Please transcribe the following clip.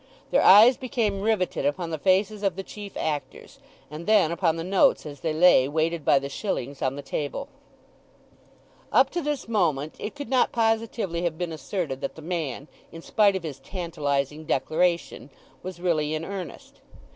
Their eyes became riveted upon the faces of the chief actors, and then upon the notes as they lay, weighted by the shillings, on the table. Up to this moment it could not positively have been asserted that the man, in spite of his tantalizing declaration, was really in earnest.